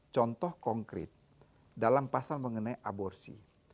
contoh konkret dalam pasal mengenai aborsi